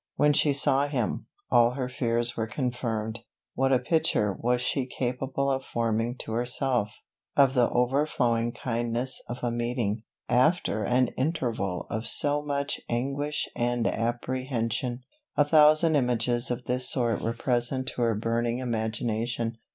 When she saw him, all her fears were confirmed. What a picture was she capable of forming to herself, of the overflowing kindness of a meeting, after an interval of so much anguish and apprehension! A thousand images of this sort were present to her burning imagination.